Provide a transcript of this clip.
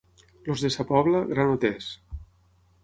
Els de sa Pobla, granoters.